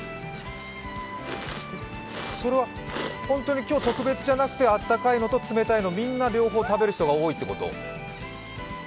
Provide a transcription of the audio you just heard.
本当に今日特別じゃなくてあたたかいのと冷たいの、みんな両方食べる人が多いってこと？